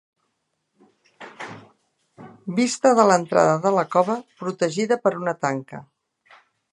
Vista de l'entrada de la Cova, protegida per una tanca.